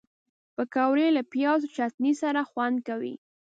پکورې له پیاز چټني سره خوند کوي